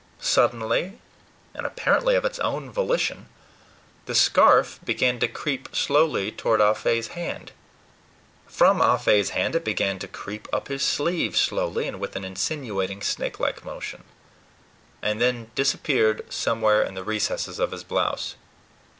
Suddenly, and apparently of its own volition, the scarf began to creep slowly toward Ah Fe's hand; from Ah Fe's hand it began to creep up his sleeve slowly, and with an insinuating, snakelike motion; and then disappeared somewhere in the recesses of his blouse.